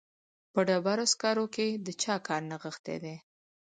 په ډبرو سکرو کې د چا کار نغښتی دی